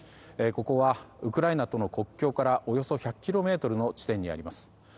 ここはウクライナとの国境からおよそ１００ｋｍの地点にあります。